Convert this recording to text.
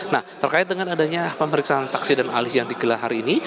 nah terkait dengan adanya pemeriksaan saksi dan alih yang digelar hari ini